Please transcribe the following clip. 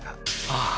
ああ！